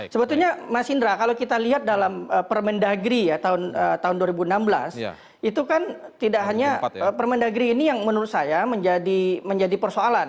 sebetulnya mas indra kalau kita lihat dalam permendagri ya tahun dua ribu enam belas itu kan tidak hanya permendagri ini yang menurut saya menjadi persoalan